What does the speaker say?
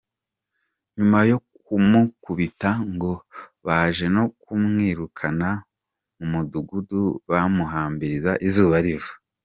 Nyuma yo kumukubita ngo baje no kumwirukana mu mudugudu bamuhambiriza izuba riza.